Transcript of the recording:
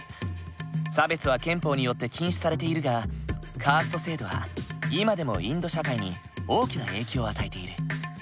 差別は憲法によって禁止されているがカースト制度は今でもインド社会に大きな影響を与えている。